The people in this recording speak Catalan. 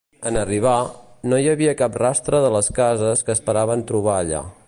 En arribar, no hi havia cap rastre de les cases que esperaven trobar allà.